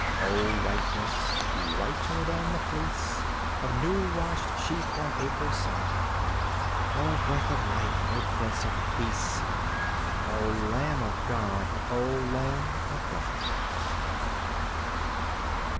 VI O Whiteness, whiter than the fleece Of new washed sheep on April sod! O Breath of Life, O Prince of Peace, O Lamb of God, O Lamb of God!